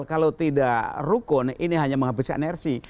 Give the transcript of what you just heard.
kalau tidak rukun ini hanya menghabiskan energi